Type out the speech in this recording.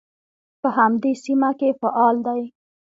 په همدې سیمه کې فعال دی.